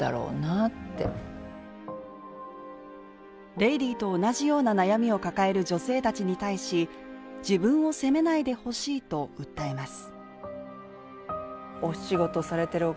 レイディと同じような悩みを抱える女性たちに対し自分を責めないでほしいと訴えます。